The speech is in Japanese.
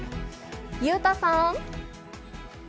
裕太さん。